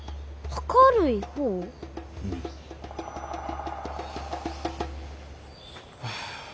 うん。はあ。